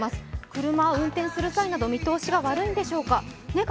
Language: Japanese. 車を運転する際など見通しが悪いんでしょうか。